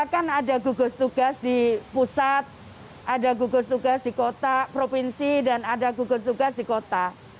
kan ada gugus tugas di pusat ada gugus tugas di kota provinsi dan ada gugus tugas di kota